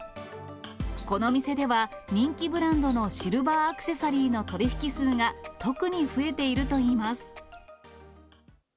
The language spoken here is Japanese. この店では、人気ブランドのシルバーアクセサリーの取り引き数が、特に増えているといいます。